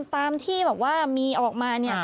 ตามที่แบบว่ามีออกมาเนี่ย